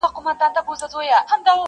o چي نه کار، په هغه دي څه کار٫